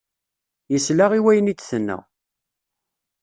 Yesla i wayen i d-tenna.